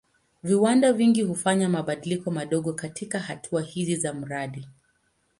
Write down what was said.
Viwanda vingi hufanya mabadiliko madogo katika hatua hizi za mradi.